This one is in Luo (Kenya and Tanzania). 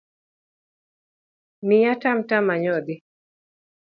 Miya tam tam anyodhi.